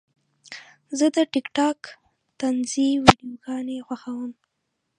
زه د ټک ټاک طنزي ویډیوګانې خوښوم.